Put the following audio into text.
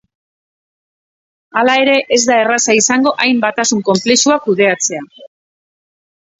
Hala ere, ez da erraza izango hain batasun konplexua kudeatzea.